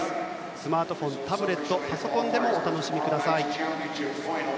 スマートフォン、タブレットパソコンでもお楽しみください。